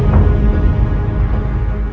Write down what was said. sandiwara sunan kudus